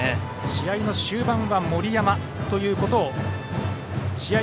試合終盤は森山ということを試合